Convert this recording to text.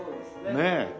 ねえ。